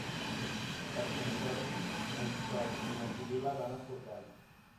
Per Sant Jordi en Sol i na Sibil·la van a Forcall.